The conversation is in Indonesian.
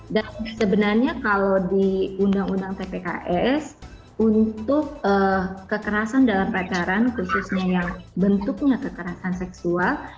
dan sebenarnya kalau di undang undang ppks untuk kekerasan dalam pacaran khususnya yang bentuknya kekerasan seksual